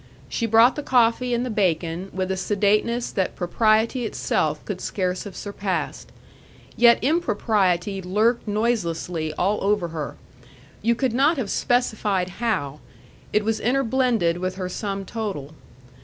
She brought the coffee and the bacon with a sedateness that propriety itself could scarce have surpassed. Yet impropriety lurked noiselessly all over her. You could not have specified how; it was interblended with her sum total.